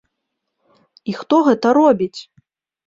І хто гэта робіць?